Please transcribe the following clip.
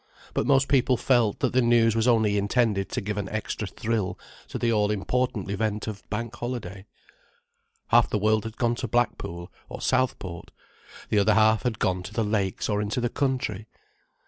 But most people felt that the news was only intended to give an extra thrill to the all important event of Bank Holiday. Half the world had gone to Blackpool or Southport, the other half had gone to the Lakes or into the country.